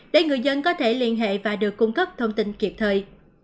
để người dân có thể liên hệ và được cung cấp thông tin kịp thời